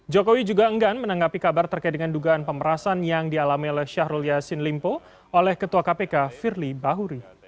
jokowi juga enggan menanggapi kabar terkait dengan dugaan pemerasan yang dialami oleh syahrul yassin limpo oleh ketua kpk firly bahuri